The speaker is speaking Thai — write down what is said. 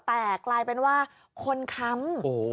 แต่กลายเป็นว่าคนค้ำ